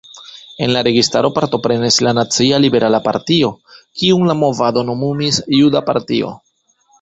En la registaro partoprenis la Nacia Liberala Partio, kiun la movado nomumis „Juda partio“.